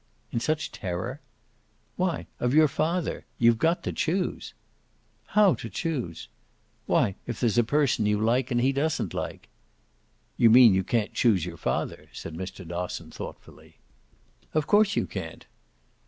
"In such terror?" "Why of your father. You've got to choose." "How, to choose?" "Why if there's a person you like and he doesn't like." "You mean you can't choose your father," said Mr. Dosson thoughtfully. "Of course you can't."